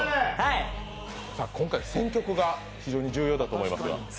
今回、選曲が非常に重要だと思いますが。